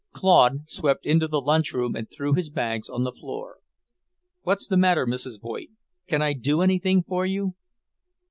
Claude swept into the lunch room and threw his bags on the floor. "What's the matter, Mrs. Voigt? Can I do anything for you?"